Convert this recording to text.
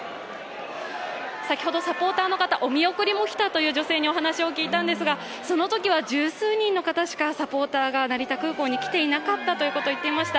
先ほどサポーターの方、お見送りも来たという女性にお話を聞いたんですが、そのときは十数人の方しかサポーターの方が成田空港に来ていなかったと言っていました。